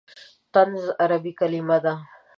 طنز عربي کلمه ده.